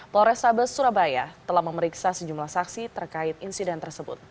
polrestabes surabaya telah memeriksa sejumlah saksi terkait insiden tersebut